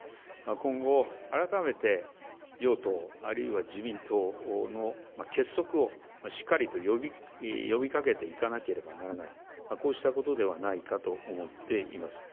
今後、改めて与党あるいは自民党の結束をしっかりと呼びかけていかなければならないこうしたことではないかと思っています。